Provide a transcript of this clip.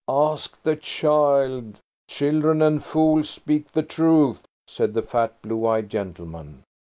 "Ask the child–children and fools speak the truth," said the fat, blue eyed gentleman.